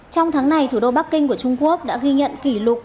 trong tháng này thủ đô bắc kinh của trung quốc đã ghi nhận kỷ lục